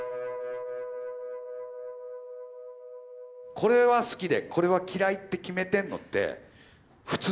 これは好きでこれは嫌いって決めてんのって普通だからそれ。